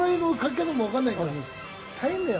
大変だよ。